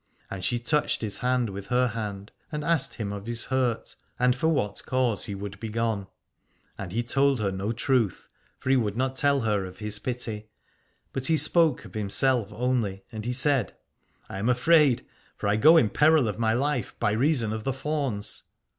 And she touched his hand with her hand and asked him of his hurt, and for what cause he would be gone. And he told her no truth, for he would not tell her of his pity, but he spoke of himself only, and he said : I am afraid, for I go in peril of my life, by reason of the fauns.